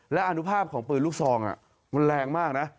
และอนุภาพของปืนลูกซองมันแรงมากนะ